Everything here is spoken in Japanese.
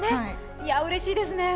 いや、うれしいですね。